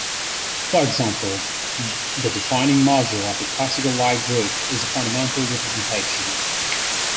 For example, the defining module of a classical Lie group is a fundamental representation.